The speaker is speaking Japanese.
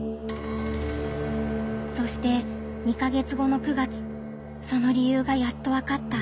そして２か月後の９月その理由がやっとわかった。